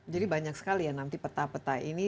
jadi banyak sekali ya nanti peta peta ini